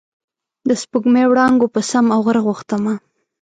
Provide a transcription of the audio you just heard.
د سپوږمۍ وړانګو په سم او غر غوښتمه